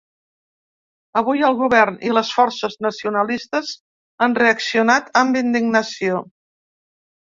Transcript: Avui el govern i les forces nacionalistes han reaccionat amb indignació.